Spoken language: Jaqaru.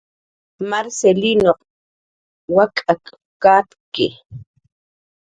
Marcilinuq wak'ak katki